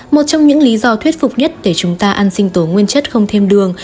một trong những lý do thuyết phục nhất để chúng ta ăn sinh tố nguyên chất không thêm đường